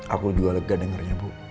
aku juga lega dengarnya bu